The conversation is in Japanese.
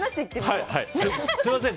すみません